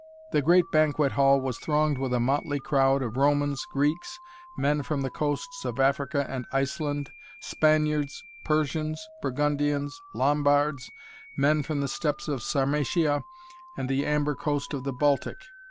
The great banquet hall was thronged with a motley crowd of Romans, Greeks, men from the coasts of Africa and Iceland, Spaniards, Persians, Burgundians, Lombards, men from the steppes of Sarmatia, and the amber coast of the Baltic.